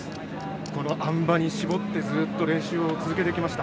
このあん馬に絞ってずっと練習を続けてきました。